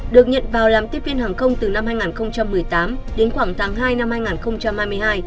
được nhận vào làm tiếp viên hàng không từ năm hai nghìn một mươi tám đến khoảng tháng hai năm hai nghìn hai mươi hai